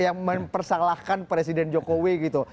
yang mempersalahkan presiden jokowi gitu